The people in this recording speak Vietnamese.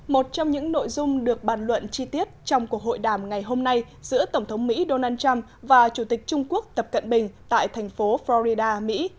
một trong những nội dung được bàn luận chi tiết trong cuộc hội đàm ngày hôm nay giữa tổng thống mỹ donald trump và chủ tịch trung quốc tập cận bình tại thành phố florida mỹ